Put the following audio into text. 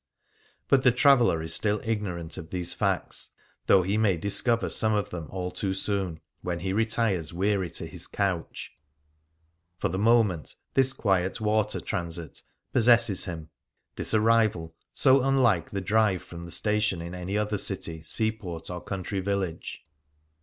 But the traveller is still ignorant of these facts, though he may discover some of them all too soon, when he retires weary to his couch. For the moment this quiet water transit possesses him — this arrival, so unlike the drive from the station in any other city, seaport, or country village.